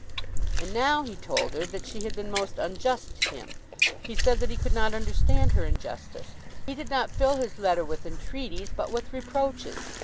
And now he told her that she had been most unjust to him. He said that he could not understand her injustice. He did not fill his letter with entreaties, but with reproaches.